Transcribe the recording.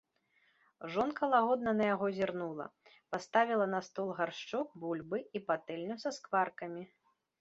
Жонка лагодна на яго зірнула, паставіла на стол гаршчок бульбы і патэльню са скваркамі.